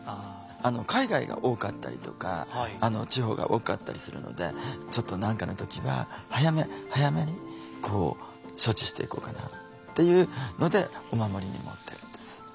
海外が多かったりとか地方が多かったりするのでちょっと何かの時は早め早めに処置していこうかなっていうのでお守りに持ってるんです。